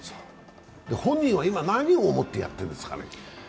本人は今、何を思ってやっているんですかね？